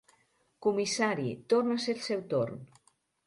Comissari, torna a ser el seu torn.